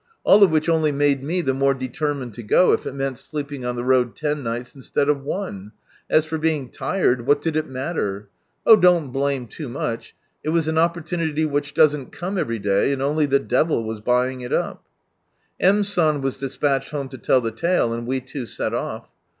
All of which only made me the mote determined to go, if it meant sleeping on the road ten nights, instead of one ; as for being tired, what did it matter ? Oh don't blame too much. It was an opportunity which doesn't come every day, and only the Devil was buying it up. M, San was des|iatched home to tell the tale, and we two set off.